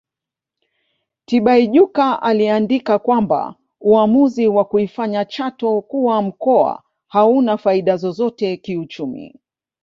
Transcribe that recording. Tibaijuka aliandika kwamba uamuzi wa kuifanya Chato kuwa mkoa hauna faida zozote kiuchumi